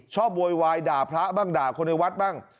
โวยวายด่าพระบ้างด่าคนในวัดบ้าง